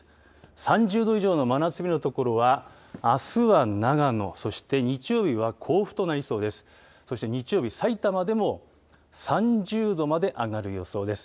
３０度以上の真夏日の所は、あすは長野、そして日曜日は甲府となりそうです。